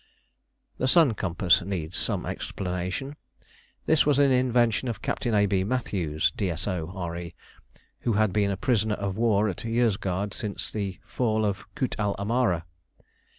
The "sun compass" needs some explanation. This was an invention of Captain A. B. Matthews, D.S.O., R.E., who had been a prisoner of war at Yozgad since the fall of Kut el Amara.